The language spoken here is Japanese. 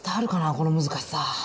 この難しさ。